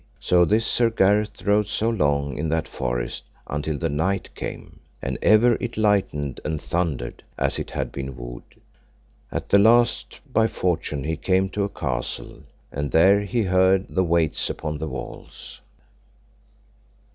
So this Sir Gareth rode so long in that forest until the night came. And ever it lightened and thundered, as it had been wood. At the last by fortune he came to a castle, and there he heard the waits upon the walls.